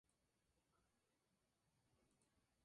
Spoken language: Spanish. Fueron retratados como el movimiento de los campesinos.